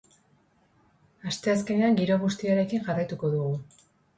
Asteazkenean giro bustiarekin jarraituko dugu.